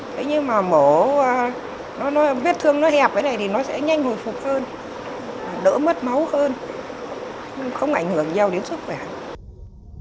thế nhưng mà mổ nó vết thương nó hẹp cái này thì nó sẽ nhanh hồi phục hơn đỡ mất máu hơn không ảnh hưởng nhau đến sức khỏe